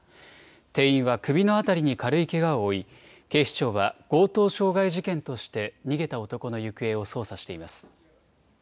店員は首の辺りに軽いけがを負い、警視庁は強盗傷害事件として逃げた男の行方を捜査しています。